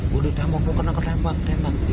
waduh dambang mau kena kena tembak tembak